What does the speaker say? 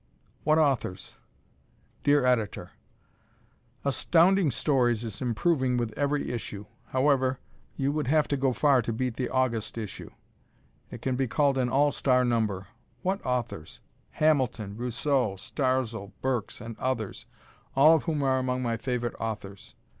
"What Authors!" Dear Editor: Astounding Stories is improving with every issue. However, you would have to go far to beat the August issue. It can be called an "all star" number. What authors! Hamilton, Rousseau, Starzl, Burks, and others, all of whom are among my favorite authors.